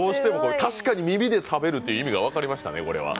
確かに耳で食べるって意味が分かりましたね。